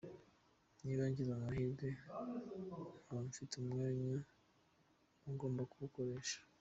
Niba ngize amahirwe nkaba mfite umwanya mba ngomba kuwukoresha.